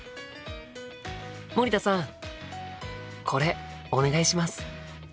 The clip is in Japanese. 森田さんこれお願いします。